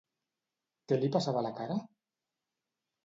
Què li passava a la cara?